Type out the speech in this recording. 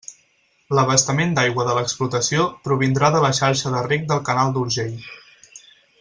L'abastament d'aigua de l'explotació provindrà de la xarxa de reg del canal d'Urgell.